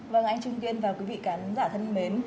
vâng anh trung tiên và quý vị cán giả thân mến